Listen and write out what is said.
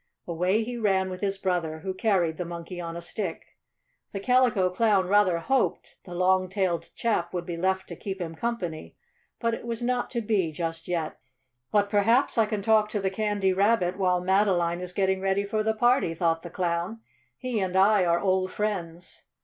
Away he ran with his brother, who carried the Monkey on a Stick. The Calico Clown rather hoped the long tailed chap would be left to keep him company, but it was not to be just yet. "But perhaps I can talk to the Candy Rabbit while Madeline is getting ready for the party," thought the Clown. "He and I are old friends."